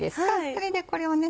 それでこれをね